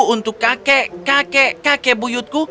untuk kakek kakek kakek buyutku